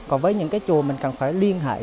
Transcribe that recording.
còn với những cái chùa mình cần phải liên hệ